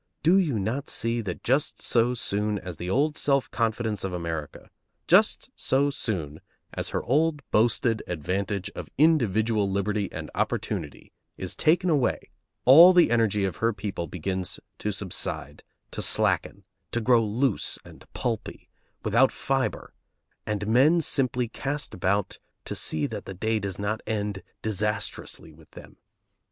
Do you not see that just so soon as the old self confidence of America, just so soon as her old boasted advantage of individual liberty and opportunity, is taken away, all the energy of her people begins to subside, to slacken, to grow loose and pulpy, without fibre, and men simply cast about to see that the day does not end disastrously with them?